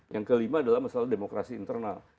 yang kelima adalah masalah demokrasi internal